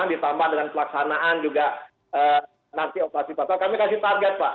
ditambah dengan pelaksanaan juga nanti operasi batal kami kasih target pak